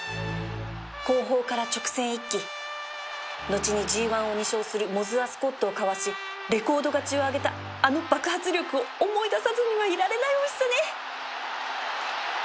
後方から直線一気後に ＧⅠ を２勝するモズアスコットをかわしレコード勝ちを挙げたあの爆発力を思い出さずにはいられないですね